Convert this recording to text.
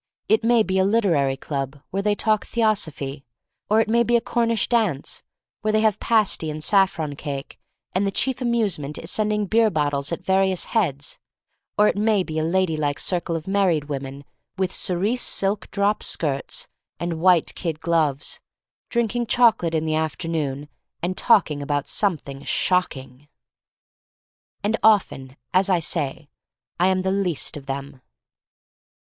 It may be a literary club where they talk theosophy, or it may be a Cornish dance where they have pasty and saffron cake and the chief amusement is sending beer bottles at 262 THE STORY OF MARY MAC LANE various heads, or it may be a lady like circle of married women with cerise silk drop skirts and white kid gloves, drinking chocolate in the afternoon and talking about something "shocking!" And often, as I say, I am the least ol them.